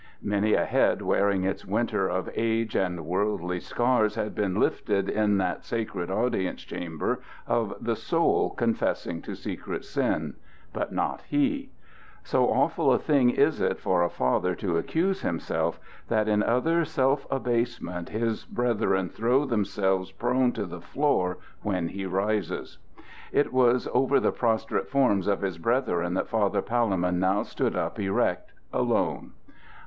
Many a head wearing its winter of age and worldly scars had been lifted in that sacred audience chamber of the soul confessing to secret sin. But not he. So awful a thing is it for a father to accuse himself, that in utter self abasement his brethren throw themselves prone to the floor when he rises. It was over the prostrate forms of his brethren that Father Palemon now stood up erect, alone.